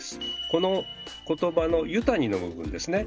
この言葉の「湯谷」の部分ですね。